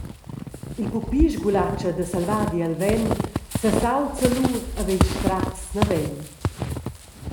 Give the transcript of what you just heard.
Il pupi sgulatscha da selvadi el vent, sesaulza lu e vegn stratgs naven.